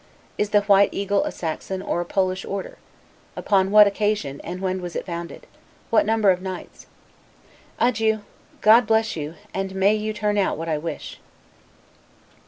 Is the White Eagle a Saxon or a Polish order? Upon what occasion, and when was it founded? What number of knights? Adieu! God bless you; and may you turn out what I wish!